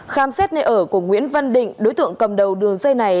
khám xét nơi ở của nguyễn văn định đối tượng cầm đầu đường dây này